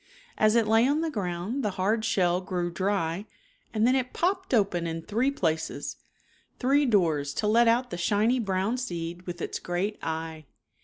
As it lay on the ground the hard shell grew dry and then it popped open in three places, three doors to let out the shiny brown seed with its great eye.